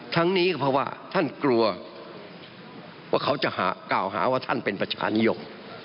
ทั้งนี้ก็เพราะว่าท่านกลัวว่าเขาจะกล่าวหาว่าท่านเป็นประชานิยม